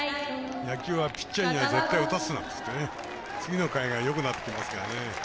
野球はピッチャーには絶対に打たすなって次の回がよくなってきますからね。